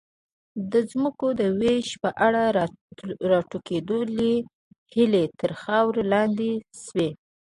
د ځمکو د وېش په اړه راټوکېدلې هیلې تر خاورې لاندې شوې.